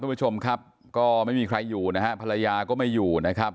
ผู้ชมครับก็ไม่มีใครอยู่นะฮะภรรยาก็ไม่อยู่นะครับ